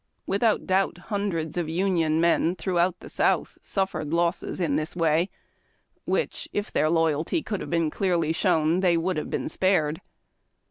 Without doubt, hundreds of Union men throughout the South suffered losses in this way, which, if their loyalty could have been clearly shown, they would have been spared.